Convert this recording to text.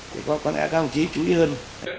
thì có thể các ông chí chú ý hơn